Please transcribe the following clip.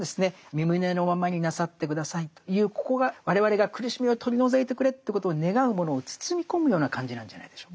み旨のままになさって下さいというここが我々が苦しみを取り除いてくれということを願うものを包み込むような感じなんじゃないでしょうか。